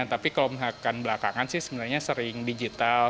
tapi kalau misalkan belakangan sih sebenarnya sering digital